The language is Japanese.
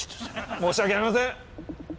申し訳ありません！